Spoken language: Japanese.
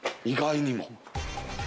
意外にも。